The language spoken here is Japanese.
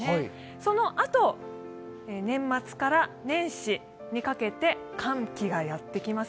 そのあと、年末から年始にかけて寒気がやってきます。